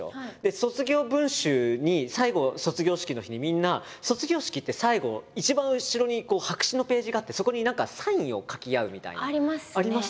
卒業文集に最後卒業式の日にみんな卒業式って最後一番後ろに白紙のページがあってそこに何かサインを書き合うみたいな。ありますね。